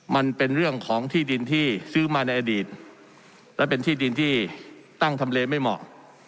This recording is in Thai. มันเป็นเรื่องของที่ดินที่ซื้อมาในอดีตและเป็นที่ดินที่ตั้งทำเลไม่เหมาะ